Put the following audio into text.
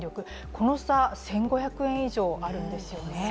この差、１５００円以上あるんですよね。